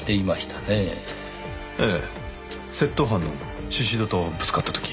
ええ窃盗犯の宍戸とぶつかった時に。